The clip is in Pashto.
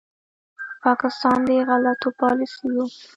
د پاکستان د غلطو پالیسیو